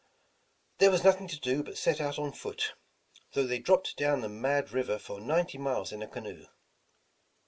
There was nothing to do but set out on foot, though they dropped down the "Mad River" for ninety miles in a canoe.